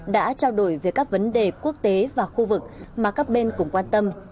đã trao đổi về các vấn đề quốc tế và khu vực mà các bên cũng quan tâm